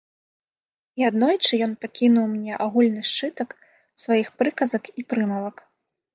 І аднойчы ён пакінуў мне агульны сшытак сваіх прыказак і прымавак.